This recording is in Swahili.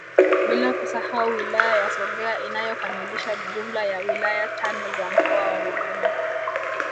Bila kusahau wilaya ya Songea inayokamilisha jumla ya wilaya tano za mkoa wa Ruvuma